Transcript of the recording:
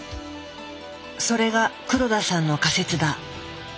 それが黒田さんの仮説だ。